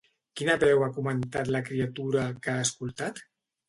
Quina veu ha comentat la criatura que ha escoltat?